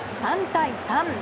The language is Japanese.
３対３。